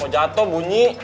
mau jatuh bunyi